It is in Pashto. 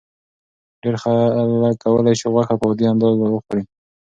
ډېر خلک کولی شي غوښه په عادي اندازه وخوري.